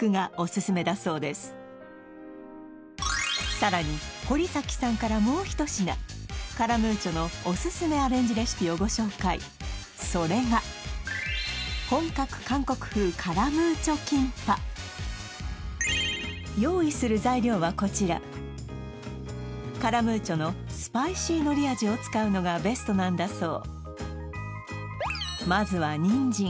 さらに堀崎さんからもうひと品カラムーチョのおすすめアレンジレシピをご紹介それが本格韓国風用意する材料はこちらカラムーチョのスパイシーのり味を使うのがベストなんだそう